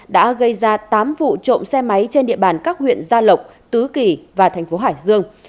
đã gây ra tám vụ trộm xe máy trên địa bàn các huyện gia lộc tứ kỳ và thành phố hải dương